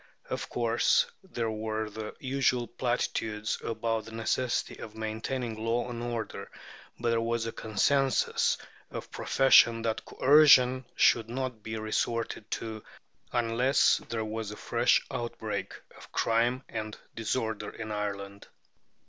Of course, there were the usual platitudes about the necessity of maintaining law and order; but there was a consensus of profession that coercion should not be resorted to unless there was a fresh outbreak of crime and disorder in Ireland.